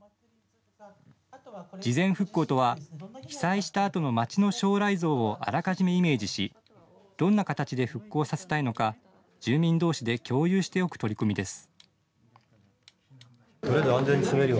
事前復興とは被災したあとの街の将来像をあらかじめイメージしどんな形で復興させたいのか住民同士で共有しておく取り組みです。